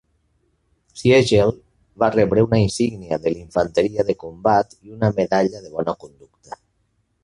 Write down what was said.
Siegel va rebre una insígnia de l"infanteria de combat i una medalla de bona conducta.